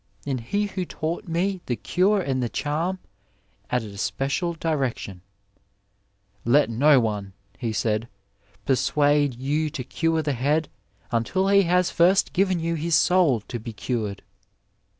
... And he who taught me the cure and the charm added a special direction, ' Let no one,' he said, ' persuade you to cure the head until he has first given you his soul to be cured.